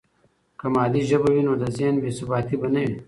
که مادي ژبه وي، نو د ذهن بې ثباتي به نه وي.